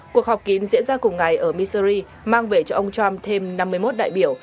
cuộc họp kín diễn ra cùng ngày ở michury mang về cho ông trump thêm năm mươi một đại biểu